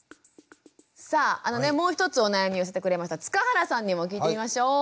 さあもう一つお悩み寄せてくれました塚原さんにも聞いてみましょう。